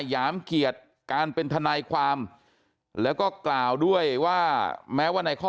ยามเกียรติการเป็นทนายความแล้วก็กล่าวด้วยว่าแม้ว่าในข้อ